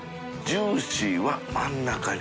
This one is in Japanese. ジューシーは真ん中に。